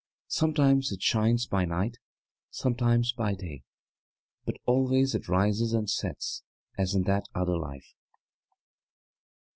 Sometimes it shines by night, sometimes by day, but always it rises and sets, as in that other life.